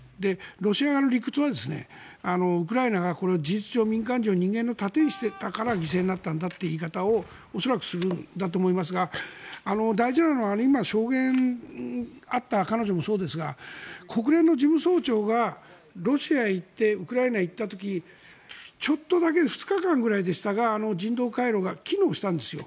ロシア側の理屈はウクライナがこれを事実上、民間人を人間の盾にしていたから犠牲になったんだという言い方を恐らくするんだと思いますが大事なのは今、証言があった彼女もそうですが国連の事務総長がロシアへ行ってウクライナへ行った時ちょっとだけ２日間くらいでしたが人道回廊が機能したんですよ。